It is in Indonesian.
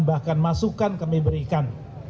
bahkan masukan kami berikan